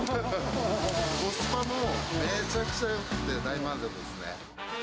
コスパもめちゃくちゃよくて、大満足ですね。